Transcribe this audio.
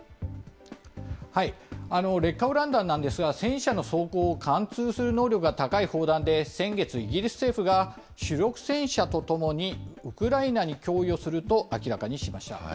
劣化ウラン弾なんですが、戦車の装甲を貫通する能力が高い砲弾で、先月、イギリス政府が主力戦車とともにウクライナに供与すると明らかにしました。